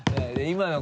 今の。